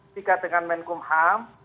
tiga dengan menkumham